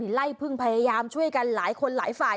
ไล่พึ่งพยายามช่วยกันหลายคนหลายฝ่าย